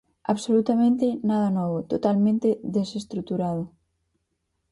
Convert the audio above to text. Absolutamente nada novo, totalmente desestruturado.